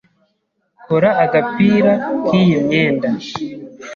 Kora agapira k'iyi myenda.